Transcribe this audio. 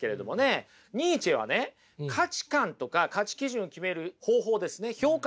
ニーチェはね価値観とか価値基準決める方法ですね評価